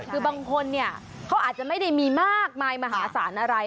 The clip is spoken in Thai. คือบางคนเนี่ยเขาอาจจะไม่ได้มีมากมายมหาศาลอะไร